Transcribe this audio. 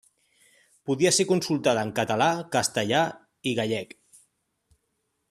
Podia ser consultada en català, castellà i gallec.